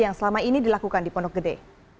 yang selama ini dilakukan di pondok gede